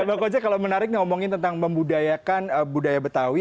ya bang kojek kalau menarik nih ngomongin tentang membudayakan budaya betawi